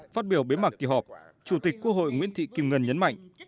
phát biểu bế mạc kỳ họp chủ tịch quốc hội nguyễn thị kim ngân nhấn mạnh